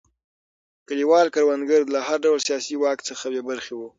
کلیوال کروندګر له هر ډول سیاسي واک څخه بې برخې وو.